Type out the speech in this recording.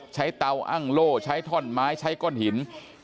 เตาอ้างโล่ใช้ท่อนไม้ใช้ก้อนหิน